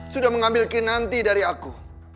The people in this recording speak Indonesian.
sudah mengambil kinanti dari aku